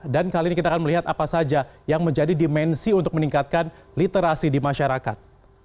dan kali ini kita akan melihat apa saja yang menjadi dimensi untuk meningkatkan literasi di masyarakat